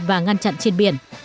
và ngăn chặn trên biển